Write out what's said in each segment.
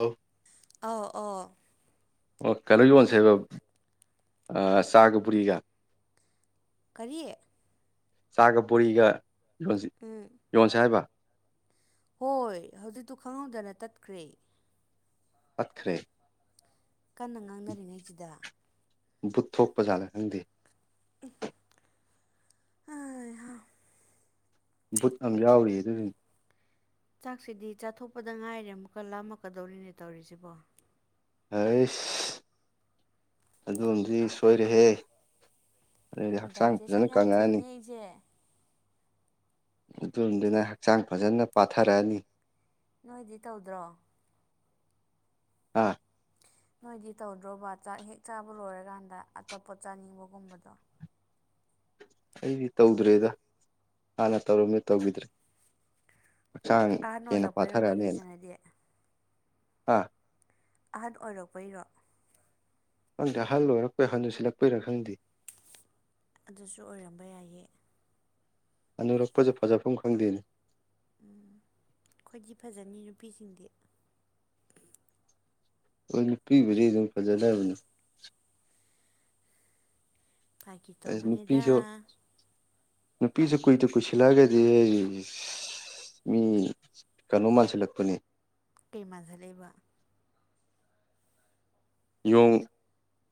ꯑꯧ ꯑ ꯑꯣ ꯑꯣ ꯀꯩꯅꯣ ꯌꯣꯟꯁꯦꯕ ꯆꯥꯒ ꯄꯨꯔꯤꯒ ꯀꯔꯤꯌꯦ ꯆꯥꯒ ꯕꯣꯔꯤꯒ ꯌꯁꯤ ꯎꯝ ꯌꯣꯟꯁ ꯍꯥꯏꯕ ꯍꯣꯏ ꯍꯧꯖꯤꯛꯇꯣ ꯈꯪꯍꯧꯗꯅ ꯇꯠꯈ꯭ꯔꯦ ꯄꯈ꯭ꯔꯦ ꯀꯟꯅ ꯉꯥꯡꯅꯔꯤꯉꯩꯁꯤꯗ ꯕꯨꯠꯊꯣꯛꯄ ꯖꯥꯠꯂ ꯈꯪꯗꯦ ꯕꯨꯠ ꯑ ꯌꯥꯎꯔꯤ ꯑꯗꯨꯗꯨꯅꯤ ꯆꯥꯛꯁꯤꯗꯤ ꯆꯥꯊꯣꯛꯄꯗ ꯉꯥꯏꯔꯦ ꯑꯃꯨꯛꯀ ꯂꯥꯝꯃꯛꯀꯗꯧꯔꯤꯅꯦ ꯇꯧꯔꯤꯁꯤꯕꯣ ꯑꯩꯁ ꯑꯗꯣꯝꯗꯤ ꯁꯣꯏꯔꯦꯍꯦ ꯑꯗꯨꯗꯤ ꯗꯥꯏ ꯍꯛꯆꯥꯡ ꯆꯦꯁꯥ ꯐꯖꯅ ꯌꯥꯝ ꯀꯪꯉꯛꯑꯅꯤ ꯊꯨꯏꯅꯦ ꯑꯩꯁꯦ ꯑꯗꯨꯗꯨꯅ ꯍꯛꯆꯥꯡ ꯐꯖꯅ ꯄꯥꯊꯔꯛꯑꯅꯤ ꯅꯣꯏꯗꯤ ꯇꯧꯗ꯭ꯔꯣ ꯑꯥ ꯅꯣꯏꯗꯤ ꯇꯧꯗ꯭ꯔꯣꯕ ꯆꯥꯛ ꯍꯦꯛ ꯆꯥꯕ ꯂꯣꯏꯔꯀꯥꯟꯗ ꯑꯇꯣꯞꯄ ꯆꯥꯅꯤꯡꯕꯒꯨꯝꯕꯗꯣ ꯑꯩꯗꯤ ꯇꯧꯗ꯭ꯔꯦꯗ ꯍꯥꯟꯅ ꯇꯧꯔꯝꯅꯤ ꯇꯧꯈꯤꯗ꯭ꯔꯦ ꯍꯛꯆꯥꯡ ꯑꯥ ꯍꯦꯟꯅ ꯅꯣꯜꯂꯛꯄꯩꯅꯣ ꯄꯥꯊꯔꯛꯑꯅꯦꯅ ꯅꯪꯒꯤꯁꯤꯅꯗꯦ ꯑꯥ ꯑꯍꯟ ꯑꯣꯏꯔꯛꯄꯩꯔꯣ ꯅꯪꯗꯤ ꯑꯍꯜ ꯑꯣꯏꯔꯛꯄꯩꯍꯟꯗꯨ ꯁꯤꯜꯂꯛꯄꯣꯏꯔꯥ ꯈꯪꯗꯦ ꯑꯗꯨꯁꯨ ꯑꯣꯏꯔꯝꯕ ꯌꯥꯏꯌꯦ ꯑꯅꯨꯔꯛꯄꯁꯨ ꯐꯖꯐꯝ ꯈꯪꯗꯦꯅꯤ ꯎꯝ ꯈ꯭ꯣꯏꯗꯤ ꯐꯖꯅꯤ ꯅꯨꯄꯤꯁꯤꯡꯗꯤ ꯍ ꯅꯨꯄꯤꯕꯨꯗꯤ ꯑꯗꯨꯝ ꯐꯖꯗꯕꯅ ꯐꯥꯒꯤ ꯑꯁ ꯇꯧꯕꯅꯤꯗ ꯅꯨꯄꯤꯁꯨ ꯅꯨꯄꯤꯁꯨ ꯀꯨꯏꯗ ꯀꯨꯏꯁꯤꯜꯂꯑꯒꯗꯤ ꯃꯤ ꯀꯩꯅꯣ ꯃꯜꯁꯤꯜꯂꯛꯄꯅꯤ ꯀꯃꯖ ꯂꯩꯦꯕ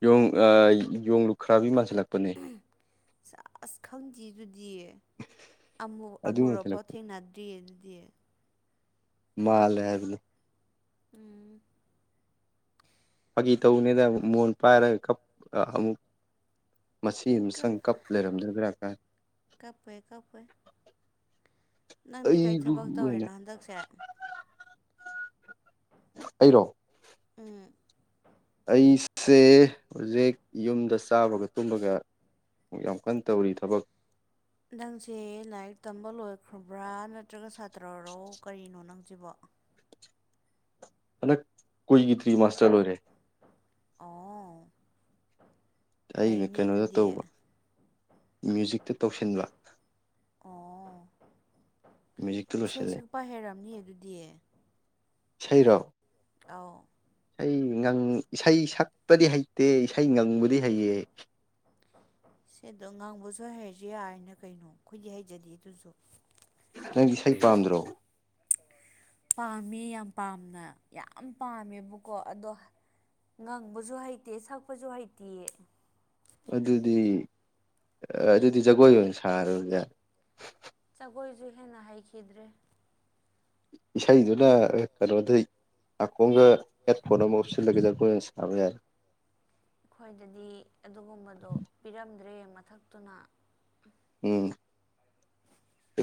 ꯌꯣꯡ ꯌꯣ ꯂꯨꯈ꯭ꯔꯥꯕꯤ ꯃꯥꯟꯁꯤꯜꯂꯛꯄꯅꯦ ꯑꯁ ꯈꯪꯗꯦꯗꯨꯗꯤꯌꯦ ꯑꯃ ꯑꯗꯨ ꯑꯃꯨꯔꯐꯥꯎ ꯃꯥꯟꯁꯤꯜꯂꯛꯄꯅꯦ ꯊꯦꯡꯅꯗ꯭ꯔꯤꯌꯦ ꯗ ꯃꯥꯂꯦꯕꯅ ꯎꯝ ꯐꯥꯒꯤ ꯇꯧꯅꯤꯗ ꯃꯣꯟ ꯄꯥꯏꯔꯒ ꯑꯃꯨꯛ ꯃꯁꯤ ꯎꯝ ꯑꯃꯨꯁꯪ ꯀꯞ ꯂꯩꯔꯝꯗꯕ꯭ꯔꯥ ꯀꯥꯏ ꯀꯞꯄꯦ ꯀꯞꯄꯦ ꯅꯪꯗꯤ ꯀꯔꯤ ꯑꯩꯕꯨ ꯊꯕꯛ ꯑꯣꯏꯅ ꯇꯧꯔꯤꯅꯣ ꯍꯟꯗꯛꯁꯦ ꯑꯩꯔꯣ ꯎꯝ ꯑꯩꯁꯦ ꯍꯧꯖꯤꯛ ꯌꯨꯝꯗ ꯆꯥꯕꯒ ꯇꯨꯝꯕꯒ ꯨꯛ ꯌꯥꯝ ꯀꯟꯅ ꯇꯧꯔꯤ ꯊꯕꯛ ꯅꯪꯁꯦ ꯂꯥꯏꯔꯤꯛ ꯇꯝꯕ ꯂꯣꯏꯈ꯭ꯔꯕ꯭ꯔꯥ ꯅꯠꯇ꯭ꯔꯒ ꯁꯥꯇ꯭ꯔꯔꯣ ꯀꯔꯤꯅꯣ ꯅꯪꯁꯤꯕꯣ ꯍꯟꯗꯛ ꯀꯣꯏꯒꯤ ꯊ꯭ꯔꯤ ꯃꯥꯁꯇꯔ ꯂꯣꯏꯔꯦ ꯑꯣ ꯑꯩꯅ ꯐꯩꯅꯦ ꯀꯩꯅꯣꯗ ꯑꯗꯨꯗꯤ ꯇꯧꯕ ꯃ꯭ꯌꯨꯖꯤꯛꯇ ꯇꯧꯁꯤꯟꯕ ꯑꯣ ꯃ꯭ꯌꯨꯖꯤꯛꯇ ꯏꯁꯩ ꯂꯣꯏꯁꯤꯜꯂꯦ ꯁꯛꯄ ꯍꯩꯔꯝꯅꯤ ꯑꯗꯨꯗꯤ ꯁꯩꯔꯣ ꯑꯥꯎ ꯑꯩ ꯏꯁꯩ ꯁꯄꯗꯤ ꯍꯩꯇꯦ ꯏꯁꯩ ꯉꯪꯕꯨꯗꯤ ꯍꯩꯌꯦ ꯁꯤꯗꯣ ꯉꯥꯡꯕꯁꯨ ꯍꯩꯔꯁ ꯌꯥꯔꯅ ꯀꯩꯅꯣ ꯑꯩꯈꯣꯏꯗꯤ ꯍꯩꯖꯗꯦ ꯑꯗꯨꯁꯨ ꯅꯪꯗꯤ ꯏꯁꯩ ꯄꯥꯝꯗ꯭ꯔꯣ ꯄꯥꯝꯃꯦ ꯌꯥꯝ ꯄꯥꯝꯅ ꯌꯥꯝ ꯄꯥꯝꯃꯦꯕꯀꯣ ꯑꯗꯣ ꯉꯪꯕꯁꯨ ꯍꯩꯇꯦ ꯁꯛꯄꯁꯨ ꯍꯩꯇꯦꯌꯦ ꯑꯗꯨꯗꯤ ꯑꯗꯨꯗꯤ ꯖꯒꯣꯏ ꯑꯣꯏꯅ ꯁꯥꯕꯖꯦ ꯑꯩꯈꯣꯏꯁꯨ ꯍꯦꯟꯅ ꯍꯩꯈꯤꯗ꯭ꯔꯦ ꯏꯁꯩꯗꯨꯅ ꯀꯩꯅꯣꯗ ꯑꯈꯣꯡꯒ ꯍꯦꯠꯐꯣꯟ ꯑꯃ ꯑꯣꯞ ꯁꯤꯜꯂꯒꯖꯔ ꯀꯦꯟꯁ ꯁꯔꯦꯔ ꯑꯩꯈꯣꯏꯗꯗꯤ ꯑꯗꯨꯒꯨꯝꯕꯗꯣ ꯄꯤꯔꯝꯗ꯭ꯔꯦ ꯃꯊꯛꯇꯨꯅ ꯎꯝ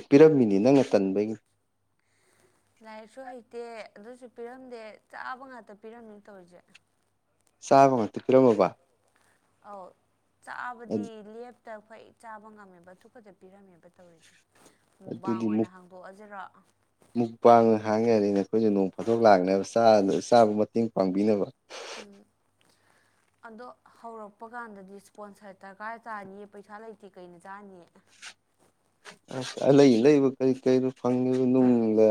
ꯄꯤꯔꯝꯃꯤꯅꯤ ꯅꯪꯅ ꯇꯟꯕꯒꯤꯅꯤ ꯂꯥꯏꯔꯤꯛꯁꯨ ꯍꯩꯇꯦ ꯑꯗꯨꯁꯨ ꯄꯤꯔꯝꯗꯦ ꯆꯥꯕ ꯉꯥꯛꯇ ꯄꯤꯔꯝꯅꯤ ꯇꯧꯔꯤꯁꯦ ꯁꯕ ꯉ ꯄꯤꯔꯃꯕ ꯑ ꯆꯥꯕꯗꯤ ꯂꯦꯞ ꯇ ꯑꯩꯈꯣꯏ ꯆꯥꯕ ꯉꯝꯃꯦꯕ ꯑꯊꯨꯄꯗ ꯄꯤꯔꯝꯃꯦꯕ ꯇꯧꯔꯤꯁꯦ ꯃꯨꯛꯕꯥꯡ ꯑꯗꯨꯗꯤ ꯑꯣꯏꯅ ꯍꯥꯡꯗꯣꯛꯑꯁꯤꯔꯣ ꯃꯨꯛ ꯄꯥꯡꯉ ꯍꯥꯡꯉꯦ ꯍꯥꯏꯔꯅꯦ ꯑꯩꯈꯣꯏꯁꯨ ꯅꯣꯡ ꯐꯥꯊꯣꯛ ꯂꯥꯛꯅꯕ ꯆꯥꯕꯨ ꯃꯇꯦꯡ ꯄꯥꯡꯕꯤꯅꯕ ꯎꯝ [unintelligible] ꯑꯗꯣ ꯍꯧꯔꯛꯄ ꯀꯥꯟꯗꯗꯤ ꯏꯁꯄꯣꯟꯁꯔ ꯗꯔꯀꯥꯔ ꯆꯥꯅꯤꯌꯦ ꯄꯩꯁꯥ ꯂꯩꯇꯦ ꯀꯩꯅ ꯆꯥꯅꯤꯌꯦ ꯑ ꯑ ꯂꯩ ꯂꯩꯕ ꯀꯔꯤ ꯀꯔꯤꯗꯣ ꯐꯪꯉꯤꯕ ꯅꯨꯡꯗ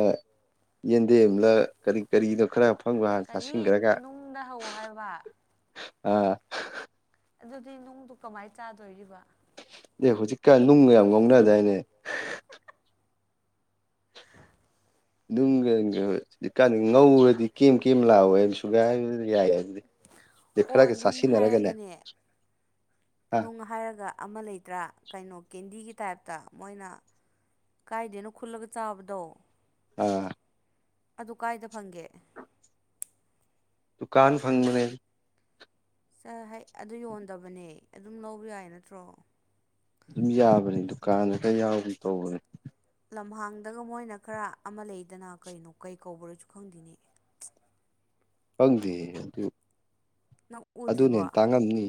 ꯌꯦꯟꯗꯦꯝ ꯑꯃꯂ ꯀꯔꯤ ꯀꯔꯤꯅꯣ ꯈꯔ ꯑꯐꯪꯕ ꯍꯥꯟꯅ ꯀꯔꯤ ꯆꯥꯁꯤꯟꯈ꯭ꯔꯒ ꯅꯨꯡꯗ ꯍꯧ ꯍꯥꯏꯕ ꯑꯥ ꯑꯗꯨꯗꯤ ꯅꯨꯡꯗꯨ ꯀꯃꯥꯏꯅ ꯆꯥꯗꯣꯔꯤꯕ ꯑꯦ ꯍꯧꯖꯤꯛꯀꯥꯟ ꯅꯨꯡꯒ ꯌꯥꯝ ꯉꯧꯅꯗꯥꯏꯅꯦ ꯅꯨꯡꯖꯤꯛ ꯀꯥꯟ ꯉꯧꯔꯗꯤ ꯀꯦꯝ ꯀꯦꯝ ꯂꯥꯎꯑꯣꯦ ꯍꯥꯏꯕ ꯁꯨꯒꯥꯏ ꯌꯥꯏ ꯑꯣ ꯈꯔꯒ ꯅꯨꯡ ꯆꯥꯁꯤꯟꯅꯔꯒꯅꯦ ꯍꯥꯏꯔꯒꯅꯦ ꯑ ꯅꯨꯡ ꯍꯥꯏꯔꯒ ꯑꯃ ꯂꯩꯇ꯭ꯔꯥ ꯀꯩꯅꯣ ꯀꯦꯟꯗꯤꯒꯤ ꯇꯥꯏꯞꯇ ꯃꯣꯏꯅ ꯀꯥꯏꯗꯦꯅꯣ ꯈꯨꯜꯂꯒ ꯆꯥꯕꯗꯣ ꯑꯥ ꯑꯗꯨ ꯀꯥꯏꯗ ꯐꯪꯒꯦ ꯇꯗꯨꯀꯥꯟ ꯐꯪꯕꯅꯦ ꯑꯗꯨ ꯌꯣꯟꯗꯕꯅꯦ ꯑꯗꯨꯝ ꯂꯧꯕ ꯌꯥꯏ ꯅꯠꯇ꯭ꯔꯣ ꯑꯗꯨꯝ ꯌꯥꯕꯅꯤ ꯗꯨꯀꯥꯟꯗ ꯀ ꯌꯥꯎꯗꯤ ꯇꯧꯕꯅꯦ ꯂꯝꯍꯥꯡꯗꯒ ꯃꯣꯏꯅ ꯈꯔ ꯑꯃ ꯂꯩꯗꯅ ꯀꯩꯅꯣ ꯀꯩ ꯀꯧꯕꯔꯁꯨ ꯈꯪꯗꯦꯅꯦ ꯐꯪꯗꯦ ꯑꯗꯨ ꯅꯪ ꯑꯗꯨꯅꯦ ꯎꯗ꯭ꯔꯤꯕꯣ ꯇꯥꯡꯉꯝꯅꯤ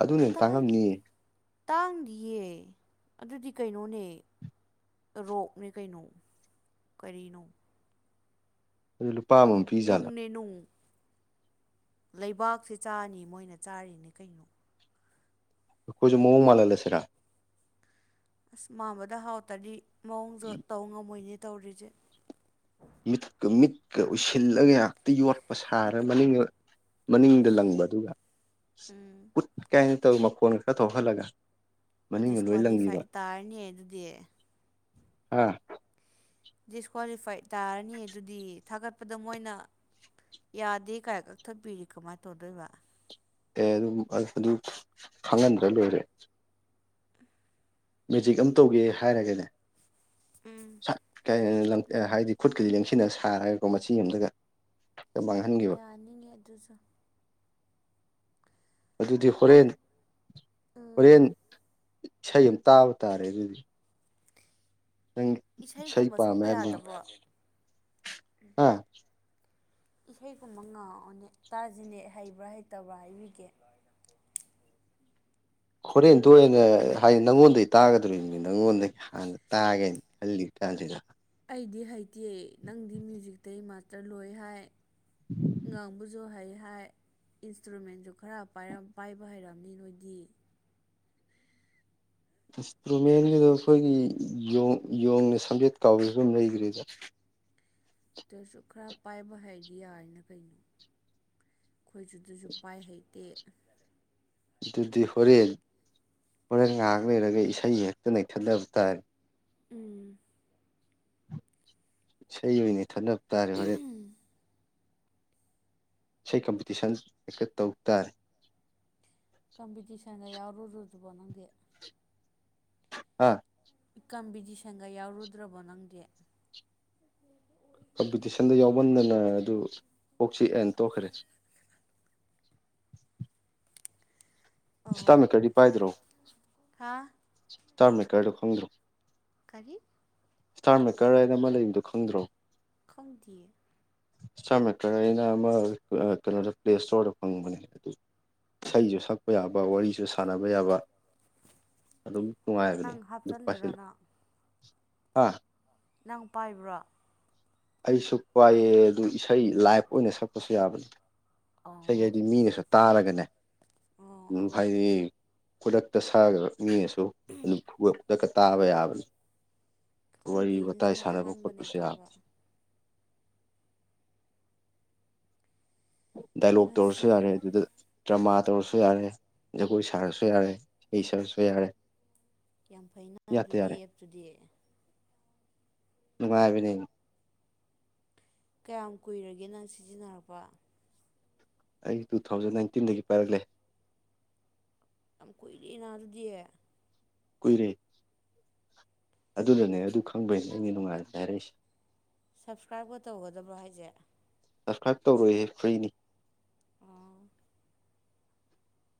ꯑꯗꯨꯅ ꯍꯦ ꯇꯥꯡ ꯇꯥꯡꯉꯝꯅꯤ ꯇꯥꯡꯗꯤꯌꯦ ꯑꯗꯨꯗꯤ ꯀꯩꯅꯣꯅꯦ ꯔꯣꯛꯅꯤ ꯀꯩꯅꯣ ꯀꯔꯤꯅꯣ ꯑꯗꯨ ꯑꯃꯃꯝ ꯄꯤꯖꯥꯠꯂꯥ ꯅꯨꯡꯅꯦ ꯅꯨꯡ ꯂꯩꯕꯥꯛꯁꯦ ꯆꯥꯅꯤ ꯃꯣꯏꯅ ꯆꯥꯔꯤꯅꯦ ꯀꯩꯅꯣ ꯈꯨꯣꯏꯖ ꯃꯑꯣꯡ ꯃꯜ ꯍꯜ ꯂ ꯁꯤꯔ ꯑꯁ ꯃꯥꯟꯕꯗ ꯍꯥꯎꯇ꯭ꯔꯗꯤ ꯃꯑꯣꯡꯁꯨ ꯇꯧ ꯉꯝꯃꯣꯏꯅꯦ ꯇꯧꯔꯤꯁꯦ ꯃꯤꯀ ꯃꯤꯠꯀ ꯎꯏꯁꯤꯜꯂꯒ ꯉꯥꯛꯇ ꯌꯣꯠꯄ ꯄꯁꯥꯔ ꯃꯅꯤꯡ ꯃꯅꯤꯡꯗ ꯂꯪꯕ ꯑꯗꯨꯒ ꯎꯝ ꯎꯠ ꯀꯥꯏꯅ ꯇꯧ ꯃꯈꯣꯟꯒ ꯈꯔ ꯊꯣꯛꯍꯜꯂꯒ ꯃꯅꯤꯡꯗ ꯂꯣꯏ ꯗꯤꯁꯀ꯭ꯋꯥꯂꯤꯐꯥꯏ ꯂꯪꯈꯤꯕ ꯇꯥꯔꯅꯤꯌꯦ ꯑꯗꯨꯗꯤ ꯑꯥ ꯗꯤꯁꯀ꯭ꯋꯥꯂꯤꯐꯥꯏꯠ ꯇꯥꯔꯅꯤ ꯑꯗꯨꯗꯤ ꯊꯥꯒꯠꯄꯗ ꯃꯣꯏꯅ ꯌꯥꯗꯦ ꯀꯥꯏ ꯀꯛꯊꯠꯄꯤꯔꯤ ꯀꯃꯥꯏꯅ ꯇꯧꯗꯣꯏꯕ ꯑꯦ ꯑꯗꯨꯝ ꯑꯗꯨ ꯈꯪꯍꯟꯗ꯭ꯔ ꯂꯣꯏꯔꯦ ꯃꯦꯖꯤꯛ ꯑꯃ ꯇꯧꯒꯦ ꯍꯥꯏꯔꯒꯅꯦ ꯎꯝ ꯍꯥꯏꯗꯤ ꯈꯨꯠꯀꯗꯤ ꯂꯦꯡꯁꯤꯟꯅ ꯁꯥꯔꯒꯀꯣ ꯃꯆꯤ ꯑꯃꯗꯒ ꯌꯥꯅꯤꯅꯦ ꯑꯗꯨꯁꯨ ꯑꯗꯨꯗꯤ ꯅꯪ ꯍꯣꯔꯦꯟ ꯎꯝ ꯍꯣꯔꯦꯟ ꯏꯁꯩ ꯑꯃ ꯇꯥꯕ ꯇꯥꯔꯦ ꯑꯗꯨꯗꯤ ꯅꯪ ꯢꯁꯩ ꯏꯁꯩꯒꯨꯝꯕ ꯄꯥꯝ ꯃꯦ ꯁꯛꯄ ꯌꯥꯗꯕ꯭ꯔꯣ ꯑ ꯏꯁꯩꯒꯨꯝꯕ ꯉꯥꯡꯑꯣꯅꯦ ꯇꯥꯁꯤꯅꯦ ꯍꯩꯕ꯭ꯔꯥ ꯍꯩꯇꯕ꯭ꯔꯥ ꯍꯕꯤꯒꯦ [unintelligible] ꯍꯣꯔꯦꯟ ꯇꯣꯅ ꯍꯥꯏꯗꯤ ꯅꯪꯉꯣꯟꯗꯒꯤꯩ ꯇꯥꯒꯗꯣꯔꯤꯕꯅꯤ ꯅꯪꯉꯣꯟꯗꯒꯤ ꯍꯥꯟꯅ ꯇꯥꯒꯦꯅ ꯈꯜꯂꯤ ꯊ ꯊꯔ ꯑꯩꯗꯤ ꯍꯩꯇꯦ ꯅꯪꯗꯤ ꯃ꯭ꯌꯨꯖꯤꯇꯩꯒꯤ ꯃꯥꯁꯇꯔ ꯂꯣꯏ ꯍꯥꯏ ꯉꯥꯡꯕꯨꯖꯣ ꯍꯩ ꯏꯟꯁꯇ꯭ꯔꯨꯃꯦꯟꯁꯨ ꯈꯔ ꯄꯥꯏꯕ ꯍꯩꯔꯕꯝꯅꯤ ꯅꯣꯏꯗꯤ ꯏꯟꯁꯇ꯭ꯔꯨꯃꯦꯟꯒꯤꯗꯣ ꯑꯩꯈꯣꯏꯒꯤ ꯌꯣꯡꯅ ꯁꯝꯖꯦꯠ ꯀꯥꯎꯕ ꯑꯗꯨꯝ ꯂꯩꯈ꯭ꯔꯔꯤꯗ ꯇꯔꯁꯨ ꯈꯔ ꯄꯥꯏꯕ ꯍꯥꯏꯗꯤ ꯌꯥꯅ ꯀꯩꯅꯣ ꯑꯩꯈꯣꯏꯁꯨꯗꯁꯨ ꯄꯥꯏ ꯍꯩꯇꯦ ꯑꯗꯨꯗꯤ ꯍꯣꯔꯦꯟ ꯍꯣꯔꯦꯟ ꯉꯥꯏꯍꯥꯛ ꯂꯩꯔꯒ ꯏꯁꯩ ꯍꯦꯛꯇ ꯅꯩꯊꯠꯂꯕ ꯇꯥꯔꯦ ꯎꯝ ꯏꯁꯩ ꯑꯣꯏꯅꯅꯦ ꯊꯟꯗ ꯇꯥꯔꯦ ꯍꯣꯔꯦꯟ ꯏꯁꯩ ꯀꯝꯄꯤꯇꯤꯁꯟ ꯍꯦꯀ ꯇꯧ ꯇꯥꯔꯦ ꯀꯝꯄꯤꯇꯤꯁꯟꯗ ꯌꯥꯎꯔꯔ ꯑꯗꯨꯕꯣ ꯅꯪꯗꯤꯦ ꯑꯥ ꯀꯝꯄꯤꯇꯤꯁꯟꯒ ꯌꯥꯎꯔꯨꯗ꯭ꯔꯕꯣ ꯅꯪꯗꯤ ꯀꯝꯄꯤꯇꯤꯁꯟꯗ ꯌꯥꯎꯃꯟꯗꯅ ꯑꯗꯨ ꯀꯣꯛꯁꯤ ꯑꯦꯟ ꯇꯣꯛꯈ꯭ꯔꯦ [inaudible] ꯑꯣ ꯁꯤꯇꯥꯅꯠꯇꯔꯗꯤ ꯄꯥꯏꯗ꯭ꯔꯣ ꯍꯥ ꯏꯁꯇꯥꯔ ꯃꯦꯀꯔꯗꯨ ꯈꯪꯗ꯭ꯔꯣ ꯀꯔꯤ ꯏꯁꯇꯥꯔ ꯃꯦꯀꯔ ꯍꯥꯏꯅ ꯑꯃ ꯂꯩꯕꯗꯣ ꯈꯪꯗ꯭ꯔꯣ ꯈꯪꯗꯤꯌꯦ ꯁꯥꯔ ꯅꯠꯇ꯭ꯔ ꯑꯩꯅ ꯑꯃ ꯀꯩꯅꯣꯗ ꯄ꯭ꯂꯦ ꯏꯁꯇꯣꯔꯗ ꯐꯪꯕꯅꯦ ꯑꯗꯨ ꯏꯁꯩꯁꯨ ꯁꯛꯄ ꯌꯥꯕ ꯋꯥꯔꯤꯁꯨ ꯁꯥꯟꯅꯕ ꯌꯥꯕ ꯑꯗꯨ ꯑꯗꯨꯝꯕꯨ ꯇꯨꯡꯉꯥꯏꯕꯅꯤ ꯅꯪ ꯗꯨꯄꯁꯤ ꯍꯥꯞꯆꯜꯂꯤꯔꯣ ꯅꯪ ꯍꯥ ꯅꯪ ꯄꯥꯏꯕ꯭ꯔꯣ ꯑꯩꯁꯨ ꯄꯥꯏꯌꯦ ꯑꯗꯨ ꯏꯁꯩ ꯂꯥꯏꯞ ꯑꯣꯏꯅ ꯁꯛꯄꯁꯨ ꯌꯥꯕꯅꯤ ꯏꯁꯩ ꯑꯣ ꯍꯥꯏꯗꯤ ꯃꯤꯅꯁꯨ ꯇꯥꯔꯒꯅꯦ ꯑꯣ ꯎꯝ ꯑꯣ ꯍꯥꯏꯗꯤ ꯈꯨꯗꯛꯇ ꯁꯥꯛꯑꯒ ꯃꯤꯅꯁꯨ ꯑꯗꯨꯝ ꯈꯨꯗꯛꯇ ꯇꯥꯕ ꯌꯥꯕꯅꯤ ꯋꯥꯔꯤ ꯈꯪꯗꯦ ꯋꯥꯇꯥꯏ ꯉꯁꯤꯅ ꯁꯥꯟꯅꯕ ꯑꯍꯥꯟꯕꯅꯦ ꯈꯣꯠꯄꯁꯨ ꯌꯥꯢ ꯇꯥꯕ ꯗꯥꯏꯂꯣꯛ ꯉꯁꯤ ꯇꯧꯔꯁꯨ ꯌꯥꯔꯦ ꯑꯗꯨꯗ ꯗ꯭ꯔꯃꯥ ꯇꯧꯔꯁꯨ ꯌꯥꯔꯦ ꯖꯒꯣꯏ ꯁꯥꯔꯁꯨ ꯌꯥꯔꯦ ꯏꯁꯩ ꯁꯥꯔꯁꯨ ꯌꯥꯔꯦ ꯌꯥꯝ ꯐꯩꯩꯅ ꯑꯗꯨꯗꯤ ꯑꯦꯞꯇꯨꯗꯤ ꯅꯨꯡꯉꯥꯏꯕꯅꯤ ꯀꯌꯥꯝ ꯀꯨꯏꯔꯒꯦ ꯅꯪ ꯁꯤꯖꯤꯟꯅꯔꯛꯄ ꯑꯩ ꯇꯨ ꯊꯥꯎꯖꯟ ꯅꯥꯏꯟꯇꯤꯟꯗꯒꯤ ꯄꯥꯏꯔꯛꯂꯦ ꯌꯥꯝ ꯀꯨꯏꯔꯦꯅ ꯑꯗꯨꯗꯤꯌꯦ ꯀꯨꯏꯔꯦ ꯑꯗꯨꯅꯅꯦ ꯑꯗꯨ ꯈꯪꯕꯩꯅ ꯑꯩꯒꯤ ꯅꯨꯡꯉꯥꯏꯔꯗ ꯍꯥꯏꯔꯛꯏꯁꯦ ꯁꯞꯁꯀ꯭ꯔꯥꯏꯞꯀ ꯇꯧꯒꯗꯕ꯭ꯔꯣ ꯍꯥꯏꯁꯦ ꯁꯕꯁꯀ꯭ꯔꯥꯏꯞ ꯇꯧꯔꯣꯏꯏꯍꯦ ꯐ꯭ꯔꯤꯅꯤ ꯑꯣ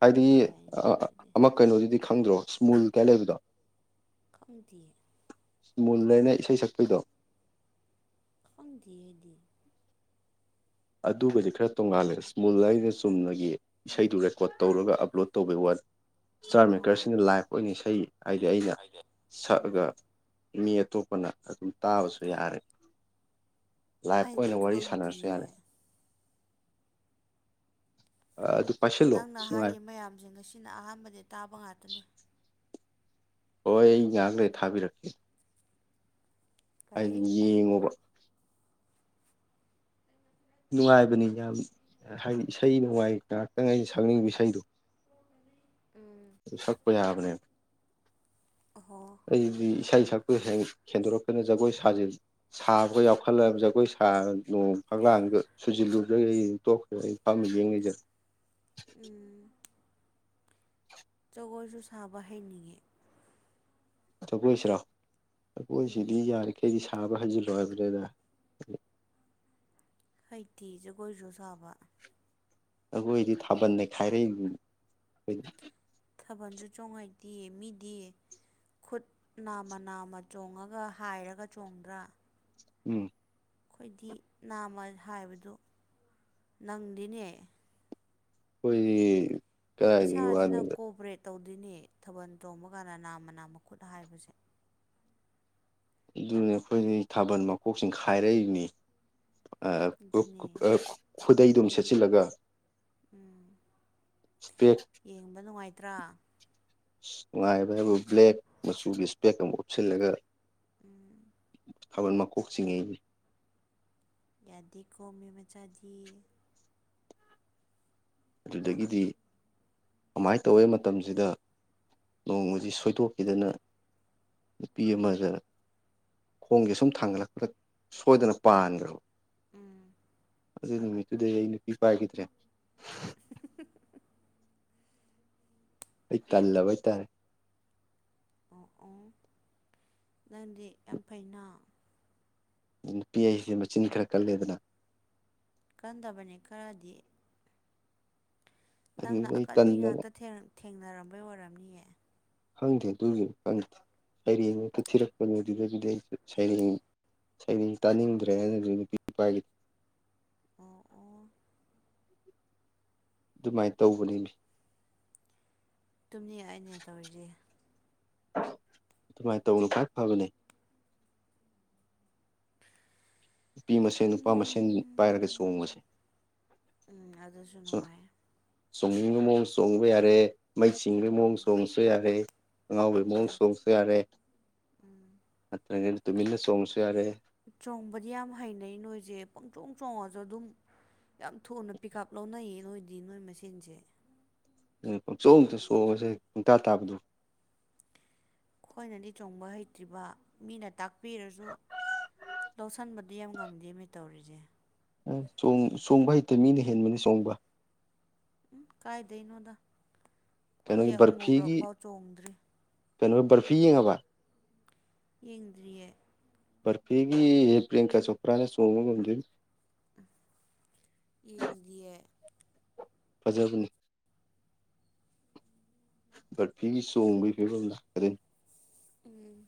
ꯍꯥꯏꯗꯤ ꯌꯥꯏꯅꯦ ꯑꯗꯨꯗꯤ ꯑꯃ ꯀꯩꯅꯣꯁꯤꯗꯤ ꯈꯪꯗ꯭ꯔꯣ ꯏꯁꯃꯨꯜ ꯀꯌꯥ ꯂꯩꯕꯗꯣ ꯀꯝꯇ ꯃꯨꯜꯂꯅ ꯏꯁꯩ ꯁꯛꯄꯗꯣ ꯈꯪꯗꯦ ꯑꯩꯗꯤ ꯑꯗꯨꯒꯗꯤ ꯈꯔ ꯇꯣꯡꯉꯥꯜꯂꯦ ꯏꯁꯃꯨꯜ ꯍꯥꯏꯁꯤꯅꯥ ꯆꯨꯝꯅꯒꯤ ꯏꯁꯩꯗꯨ ꯔꯦꯀꯣꯔꯠ ꯇꯧꯔꯒ ꯑꯞꯂꯣꯗ ꯇꯧꯕꯩ ꯋꯥꯅꯦ ꯏꯁꯇꯥꯔ ꯑꯥ ꯃꯦꯀꯔꯁꯤꯡꯅ ꯂꯥꯏꯐ ꯑꯣꯏꯅ ꯏꯁꯩ ꯍꯥꯏꯗꯤ ꯑꯩꯅ ꯎꯝ ꯁꯛꯑꯒ ꯃꯤ ꯑꯇꯣꯞꯄꯅ ꯑꯗꯨꯝ ꯇꯥꯕꯁꯨ ꯌꯥꯔꯦ ꯂꯥꯏꯐ ꯑꯩꯗꯤ ꯑꯣꯏꯅ ꯋꯥꯔꯤ ꯁꯥꯟꯅꯔꯁꯨ ꯈꯪꯗꯤꯌꯦ ꯌꯥꯔꯦ ꯑꯗꯨ ꯄꯥꯏꯁꯤꯜꯂꯣ ꯅꯪꯅ ꯅꯨꯡꯉꯥꯏ ꯍꯥꯏꯔꯤꯕ ꯃꯌꯥꯝꯁꯤꯡ ꯑꯁꯤꯅ ꯑꯍꯥꯟꯕꯗꯤ ꯇꯥꯕ ꯉꯥꯛꯇꯅꯤ ꯍꯣꯏ ꯑꯩ ꯉꯍꯈꯩ ꯊꯥꯕꯤꯔꯛꯀꯦ ꯍꯥꯏꯗꯤ ꯀꯔꯤ ꯌꯦꯡꯉꯣꯕ ꯅꯨꯡꯉꯥꯏꯕꯅꯤ ꯌꯥꯝ ꯍꯥꯏꯗꯤ ꯏꯁꯩ ꯅꯨꯡꯉꯥꯏ ꯉꯥꯏꯍꯥꯛꯇꯪ ꯑꯩꯅ ꯁꯛꯅꯤꯡꯕ ꯏꯁꯩꯗꯣ ꯎꯝ ꯑꯗꯨ ꯁꯛꯄ ꯌꯥꯕꯅꯦ ꯑꯍꯣ ꯑꯩꯗꯤ ꯨ ꯍꯦꯟꯗꯣꯔꯛꯛꯇꯅ ꯖꯒꯣꯏ ꯁꯥ ꯁꯥꯕꯒ ꯌꯥꯎꯈꯠꯂ ꯖꯒꯣꯏ ꯁꯥꯣꯡ ꯐ ꯁꯨꯖꯤꯜꯂꯨꯗ꯭ꯔꯒ ꯑꯩ ꯇꯣꯛꯈ꯭ꯔꯦ ꯑ ꯐꯝꯃꯦ ꯌꯦꯡꯉꯁꯔꯦ ꯎꯝ ꯖꯒꯣꯏꯁꯨ ꯁꯥꯕ ꯍꯩꯅꯤꯡꯉꯦ ꯖꯒꯣꯏꯁꯤꯔꯣ ꯎꯝ ꯖꯒꯣꯏꯁꯤꯗꯤ ꯌꯥꯔꯤꯈꯩꯗꯤ ꯊꯥꯕ ꯍꯟꯖꯤꯜꯂꯣ ꯍꯥꯏꯕ꯭ꯔꯦꯗ ꯑꯩꯇꯤ ꯖꯒꯣꯏꯁꯨ ꯁꯥꯕ ꯑꯩꯈꯣꯏꯗꯤ ꯊꯥꯕꯜ ꯅꯩꯈꯥꯏꯔꯛꯏ ꯊꯥꯕꯜꯁꯨ ꯆꯣꯡꯉꯥꯏꯇꯦꯌꯦ ꯃꯤꯗꯤꯌꯦ ꯈꯨꯠ ꯅꯥꯝꯃ ꯅꯥꯝꯃ ꯆꯣꯡꯉꯒ ꯍꯥꯏꯔꯒ ꯆꯣꯡꯗ꯭ꯔꯥ ꯎꯝ ꯑꯩꯈꯣꯏꯗꯤ ꯅꯥꯝꯃ ꯍꯥꯏꯕꯗꯨ ꯅꯪꯗꯤꯅꯦ ꯑꯩꯈꯣꯏꯗꯤ ꯀꯗꯥꯥꯏ ꯏꯁꯥꯁꯤꯅ ꯋꯥꯅꯣꯕ ꯀꯣꯑꯣꯄꯔꯦꯠ ꯇꯧꯗꯣꯏꯅꯦ ꯊꯥꯕꯜ ꯆꯣꯡꯕ ꯀꯥꯟꯗ ꯅꯥꯝꯃ ꯅꯥꯝ ꯃꯈꯨꯠ ꯍꯥꯏꯕꯁꯦ ꯑꯗꯨꯅꯦ ꯑꯩꯈꯣꯏ ꯊꯥꯕꯜ ꯃꯀꯣꯛꯁꯤꯡ ꯈꯥꯏꯔꯛꯏꯕꯅꯤ ꯑꯗꯨꯅꯦ ꯈꯨꯗꯩꯗꯨꯝ ꯁꯦꯠꯆꯤꯜꯂꯒ ꯎꯝ ꯏꯁꯄꯦꯛ ꯌꯦꯡꯕ ꯅꯨꯡꯉꯥꯏꯇ꯭ꯔꯥ ꯅꯨꯡꯉꯥꯏꯕ ꯍꯥꯏꯕ ꯕ꯭ꯂꯦꯛ ꯃꯆꯨꯒꯤ ꯏꯁꯄꯦꯛ ꯑꯃ ꯎꯞꯁꯤꯜꯂꯒ ꯎꯝ ꯈꯕꯜ ꯃꯥ ꯀꯣꯛꯣꯛ ꯆꯤꯡꯩꯅꯦ ꯌꯥꯗꯦ ꯀꯣꯃꯤ ꯃꯆꯥꯗꯤ ꯑꯗꯨꯗꯒꯤꯗꯤ ꯀꯃꯥꯏꯅ ꯇꯧꯏ ꯃꯇꯝꯁꯤꯗ ꯅꯣꯡꯃꯁꯤ ꯁꯣꯏꯗꯣꯛꯄꯤꯗꯅ ꯅꯨꯄꯤ ꯑꯃꯗ ꯈꯣꯡꯁꯦ ꯁꯨꯝ ꯊꯥꯡꯒꯠꯂꯛꯄꯗ ꯁꯣꯏꯗꯅ ꯄꯥꯟꯈ꯭ꯔꯕ ꯎꯝ ꯑꯗꯨ ꯅꯨꯃꯤꯠꯇꯨꯗ ꯑꯩ ꯅꯨꯄꯤ ꯄꯥꯏꯈꯤꯗ꯭ꯔꯦ ꯑꯩ ꯀꯜꯂꯕ ꯍꯥꯏꯇꯥꯔꯦ ꯑꯣ ꯑꯣ ꯅꯪꯗꯤ ꯌꯥꯝ ꯐꯩꯅ ꯅꯨꯄꯤ ꯑꯩꯁꯦ ꯃꯆꯤꯟ ꯈꯔ ꯀꯜꯂꯦꯗꯅ ꯀꯟꯗꯕꯅꯤ ꯈꯔꯗꯤ ꯅꯪꯅ ꯑꯗꯨꯗ ꯑꯩ ꯑꯀꯟꯕꯤ ꯇꯟꯗꯅ ꯉꯥꯛꯇ ꯊꯦꯡꯅꯔꯝꯕꯩ ꯑꯣꯏꯔꯝꯅꯤꯌꯦ ꯈꯪꯗꯦ ꯑꯗꯨꯒꯤꯅꯤ ꯈꯪꯗꯦ ꯁꯩꯔꯦꯡꯛꯇ ꯊꯤꯔꯛꯄꯅꯦ ꯑꯗꯨꯗꯒꯤꯗꯤ ꯑꯩꯁꯨ ꯁꯩꯔꯦꯡ ꯁꯗꯤ ꯎꯝ ꯇꯥꯅꯤꯡꯗ꯭ꯔꯦꯅ ꯑꯗꯨ ꯅꯨꯄꯤ ꯅꯨꯄꯥꯒꯤ ꯑꯣ ꯑꯣ ꯑꯗꯨꯃꯥꯏꯅ ꯇꯧꯕꯅꯤꯅꯤ ꯇꯨꯝꯅꯤ ꯑꯩꯅꯦ ꯇꯧꯔꯤꯁꯦ ꯑꯗꯨꯃꯥꯏꯅ ꯇꯧꯕꯅ ꯈ꯭ꯋꯥꯏ ꯐꯕꯅꯤ ꯅꯨꯄꯤ ꯃꯁꯦꯟ ꯅꯨꯄꯥ ꯅꯨꯡ ꯃꯁꯦꯟ ꯄꯥꯏꯔꯒ ꯆꯣꯡꯉꯁꯦ ꯎꯝ ꯑꯗꯨꯁꯨ ꯅꯨꯡꯉꯥꯏ ꯆꯣꯡꯅꯤꯡꯅꯤꯡꯕ ꯃꯑꯣ ꯆꯣꯡꯕ ꯌꯥꯔꯦ ꯃꯩ ꯆꯤꯡꯕꯒꯤ ꯎꯝ ꯃꯑꯣꯡ ꯆꯣꯡꯕꯁꯨ ꯌꯥꯔꯦ ꯑꯉꯥꯎꯕꯩ ꯃꯑꯣꯡ ꯎꯝ ꯆꯣꯡꯕꯁꯨ ꯌꯥꯔꯦ ꯑ ꯉꯩꯅ ꯇꯃꯤꯂ ꯁꯣꯝꯁꯨ ꯌꯥꯔꯦ ꯆꯣꯡꯕꯗꯤ ꯌꯥꯝ ꯍꯩꯅꯩ ꯅꯣꯏꯁꯦ ꯄꯪꯊꯣꯛ ꯆꯣꯡꯉꯁꯨ ꯑꯗꯨꯝ ꯌꯥꯝ ꯊꯨꯅ ꯄꯤꯛꯑꯞ ꯂꯧꯅꯩꯌꯦ ꯅꯣꯏꯗꯤ ꯅꯣꯏ ꯃꯁꯦꯟꯁꯦ ꯄ ꯆꯣꯛꯇ ꯁꯣꯁꯦꯨ ꯊꯥ ꯇꯕꯗꯨ ꯑꯩꯈꯣꯏꯅꯗꯤ ꯆꯣꯡꯕ ꯍꯩꯇ꯭ꯔꯤꯕ ꯃꯤꯅ ꯇꯥꯛꯄꯤꯔꯁꯨ ꯂꯧꯁꯤꯟꯕꯗꯤ ꯌꯥꯝ ꯉꯝꯗꯦ ꯃꯤ ꯇꯧꯔꯤꯁꯦ ꯆ ꯆꯣꯡꯕ ꯍꯩꯇ ꯃꯤꯅ ꯍꯦꯟꯕꯅꯤ ꯆꯣꯡꯕ ꯎꯝ ꯀꯥꯏꯗꯩꯅꯣꯗ ꯑꯩꯈꯣꯏꯗꯤ ꯀꯩꯅꯣꯒꯤ ꯕꯔꯐꯤꯒꯤ ꯑꯃꯨꯨꯔꯐꯥꯎ ꯆꯣꯡꯗ꯭ꯔꯤ ꯀꯩꯅꯣ ꯔꯐꯤ ꯌꯦꯡꯉꯕ ꯌꯦꯡꯗ꯭ꯔꯤꯌꯦ ꯔꯐꯤꯒꯤ ꯄꯤꯌꯪꯀꯥ ꯆꯣꯄ꯭ꯔꯥꯅ ꯁꯣꯡꯃ ꯉꯗ ꯏꯟꯗꯤꯦ ꯐꯖꯥꯕꯅꯤ ꯕꯠ ꯐꯤ ꯆꯣꯡꯕꯒꯤ ꯐꯤꯕꯝꯗ ꯀꯔꯤ ꯎꯝ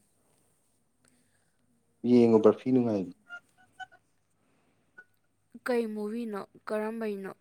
ꯌꯦ ꯎꯄꯔ ꯐꯤ ꯅꯨꯡꯉꯥꯏ ꯀꯩ ꯃꯨꯕꯤꯅꯣ ꯀꯔꯝꯕꯩꯅꯣ